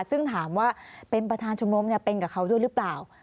ซึ่งถามว่าเป็นประธานชมรมเป็นกับเขาด้วยหรือเปล่า